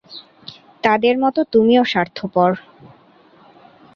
তাদের মতো তুমিও স্বার্থপর!